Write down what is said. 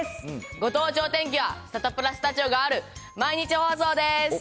ご当地お天気は、サタプラスタジオがある毎日放送です。